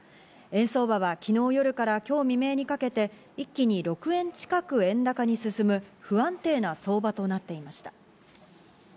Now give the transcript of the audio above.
円相場は昨日夜から今日未明にかけて一気に６円近く円高に進む、不安定な相場となっていました。